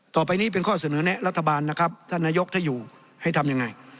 ต่อไปนี้เป็นข้อเสนอแนะรัฐบาลนะครับท่านนายกถ้าอยู่ให้ทำยังไง